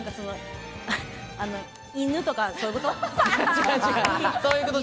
犬とか、そういうこと？